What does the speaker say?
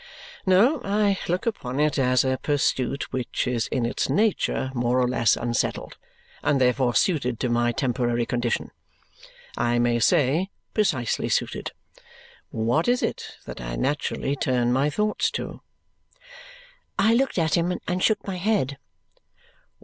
No. I look upon it as a pursuit which is in its nature more or less unsettled, and therefore suited to my temporary condition I may say, precisely suited. What is it that I naturally turn my thoughts to?" I looked at him and shook my head.